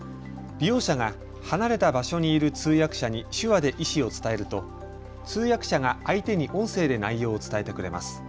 利用者が離れた場所にいる通訳者に手話で意思を伝えると通訳者が相手に音声で内容を伝えてくれます。